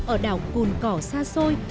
ở đảo cồn cỏ xa xôi